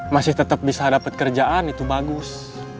masih tetap bisa dapat kerjaan itu bagus